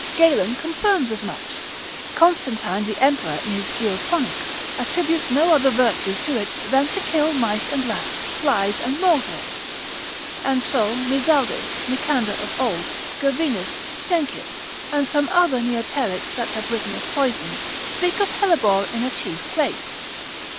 Galen. l. 6. Epid. com. 5. Text. 35. confirms as much: Constantine the emperor in his Geoponicks, attributes no other virtue to it, than to kill mice and rats, flies and mouldwarps, and so Mizaldus, Nicander of old, Gervinus, Sckenkius, and some other Neoterics that have written of poisons, speak of hellebore in a chief place.